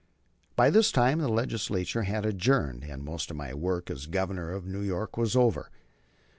By this time the Legislature had adjourned, and most of my work as Governor of New York was over.